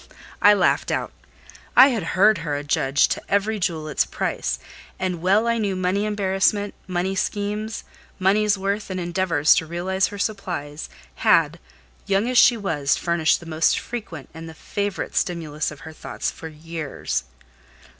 I laughed out: I had heard her adjudge to every jewel its price; and well I knew money embarrassment, money schemes; money's worth, and endeavours to realise supplies, had, young as she was, furnished the most frequent, and the favourite stimulus of her thoughts for years.